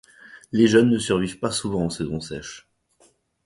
Les jeunes ne survivent pas souvent aux saisons sèches.